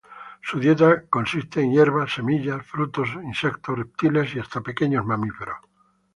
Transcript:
Su dieta consiste en hierba, semillas, frutos, insectos, reptiles y hasta pequeños mamíferos.